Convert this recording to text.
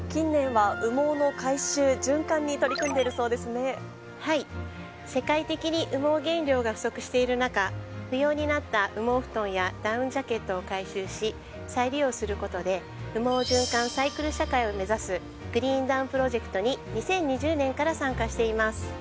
はい世界的に羽毛原料が不足している中不要になった羽毛ふとんやダウンジャケットを回収し再利用することで羽毛循環サイクル社会を目指すグリーンダウンプロジェクトに２０２０年から参加しています。